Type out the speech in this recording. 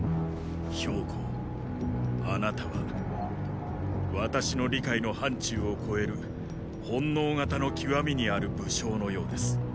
公あなたは私の理解の範疇を超える“本能型の極み”にある武将のようです。